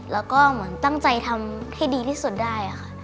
แล้วก็เหมือนตั้งใจทำให้ดีที่สุดได้ค่ะ